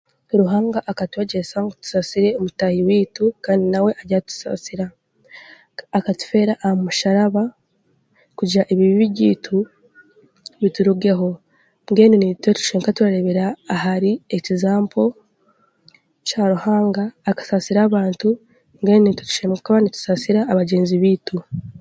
Ruhanga akatwegyesa ngu tusasiire mutahi weitu kandi nawe aryatusaasira, akatufeera aha musharaba kugira ebibi byeitu biturugeho mbwenu nitwe tushemereire kuba turarebera ahiri ekizampo kya ruhanga akasasira abantu mbwenu nitwe tushemereire kuba nitusasira abagyenzi beitu.